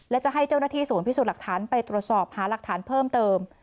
และจะให้เจ้าหน้าที่ศูนย์พิสูจน์หลักฐานไปตรวจสอบหาหลักฐานเพิ่มเติม